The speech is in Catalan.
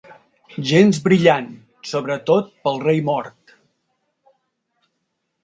Gens brillant, sobretot pel rei mort.